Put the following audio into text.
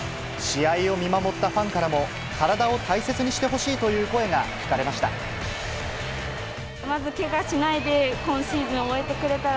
試合を見守ったファンからも、体を大切にしてほしいという声が聞かれました。